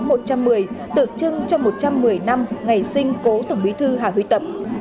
gần với con số một trăm một mươi tự trưng cho một trăm một mươi năm ngày sinh cố tổng bí thư hà huy tập